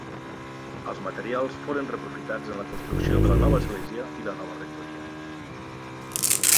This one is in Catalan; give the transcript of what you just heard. Els materials foren reaprofitats en la construcció de la nova església i la nova rectoria.